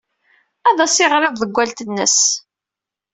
Ad as-iɣer i tḍewwalt-nnes.